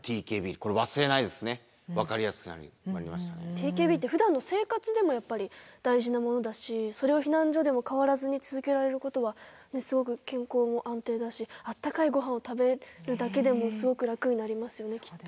ＴＫＢってふだんの生活でもやっぱり大事なものだしそれを避難所でも変わらずに続けられることはすごく健康も安定だしあったかいごはんを食べるだけでもすごく楽になりますよねきっと。